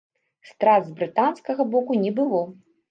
Страт з брытанскага боку не было.